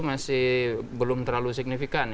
masih belum terlalu signifikan